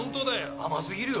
・甘すぎるよ。